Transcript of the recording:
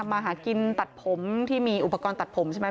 มาหากินตัดผมที่มีอุปกรณ์ตัดผมใช่ไหม